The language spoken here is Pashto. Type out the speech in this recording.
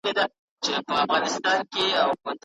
ډیجیټل وسایل د اړیکو لپاره خورا مهم دي.